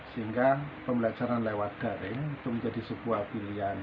sehingga pembelajaran lewat daring itu menjadi sebuah pilihan